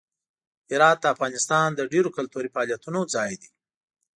هرات د افغانستان د ډیرو کلتوري فعالیتونو ځای دی.